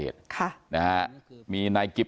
ก็คุณตามมาอยู่กรงกีฬาดครับ